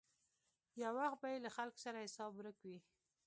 یو وخت به یې له خلکو څخه حساب ورک وي.